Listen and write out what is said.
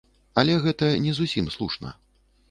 Але гэта не зусім слушна.